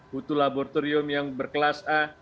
butuh laboratorium yang berkelas a